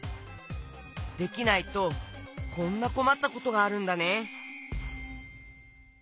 できないとこんなこまったことがあるんだね。